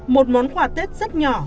một món quà tết rất nhỏ